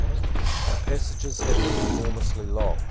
Our passages have been enormously long.